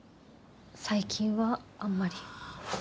最近はあんまり。